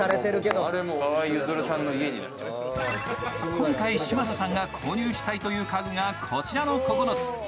今回嶋佐さんが購入したい家具がこちらの９つ。